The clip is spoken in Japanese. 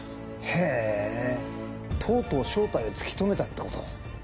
へぇとうとう正体を突き止めたってこと？